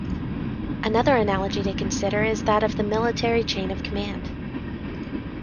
Another analogy to consider is that of the military chain of command.